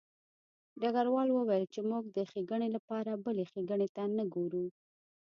ډګروال وویل چې موږ د ښېګڼې لپاره بلې ښېګڼې ته نه ګورو